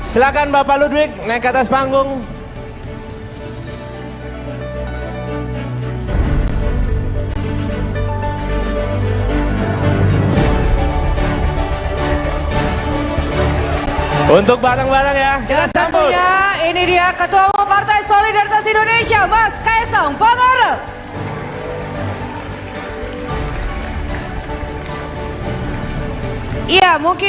silahkan bapak ludwig naik ke atas panggung